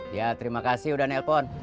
ya terima kasih udah nelpon